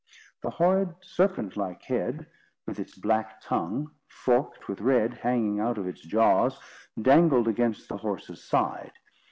The horrid, serpent like head, with its black tongue, forked with red, hanging out of its jaws, dangled against the horse's side.